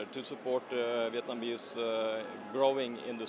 trên thế giới